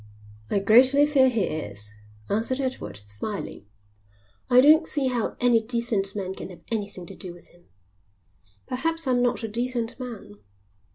"I greatly fear he is," answered Edward, smiling. "I don't see how any decent man can have anything to do with him." "Perhaps I'm not a decent man."